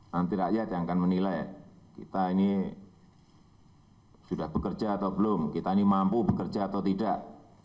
nanti rakyat yang akan menilai kita ini sudah bekerja atau belum kita ini mampu bekerja atau tidak